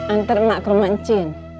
antar emak ke rumah mencici